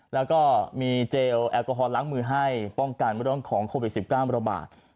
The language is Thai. แล้วก็มีเจลแอลกอฮอลล้างมือให้ป้องกันเรื่องของโควิด๑๙ระบาด